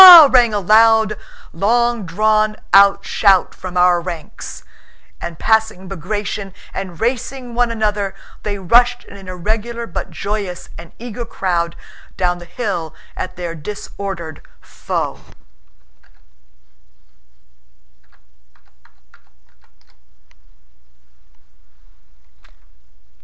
rang a long drawn shout from our ranks, and passing Bagratión and racing one another they rushed in an irregular but joyous and eager crowd down the hill at their disordered foe.